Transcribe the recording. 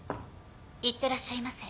いってらっしゃいませ。